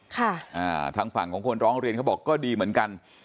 ทางฝั่งของคนร้องเรียนเขาบอกก็ดีเหมือนกัน